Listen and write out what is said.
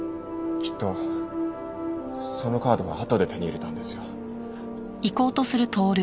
きっとそのカードはあとで手に入れたんですよ。